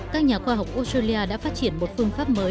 các nhà khoa học australia đã phát triển một phương pháp mới